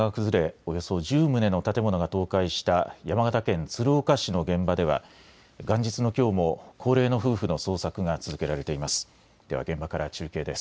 およそ１０棟の建物が倒壊した山形県鶴岡市の現場では元日のきょうも高齢の夫婦の捜索が続けられています。